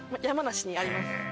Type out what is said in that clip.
山梨にあります。